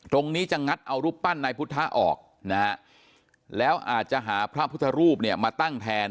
ตรงนี้จะงัดเอารูปปั้นนายพุทธศาสตร์ออกแล้วอาจจะหาพระพุทธรูปมาตั้งแทน